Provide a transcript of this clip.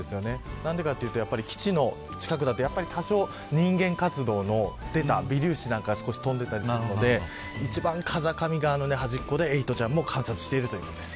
何でかというと基地の近くだと多少、人間活動の出た微粒子なんかが少し飛んでたりするので一番風上側の端っこでエイトちゃんも観察しているということです。